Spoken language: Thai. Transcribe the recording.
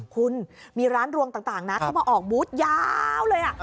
คุณมีร้านรวงต่างนะเข้ามาออกบูธยาวเลย